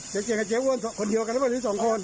เจ๊เจียมกับเจ๊อ้วนคนเดียวกันหรือสองคน